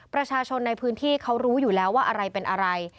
ประชาชนในพื้นที่เขารู้อยู่แล้วว่าอะไรเป็นอะไร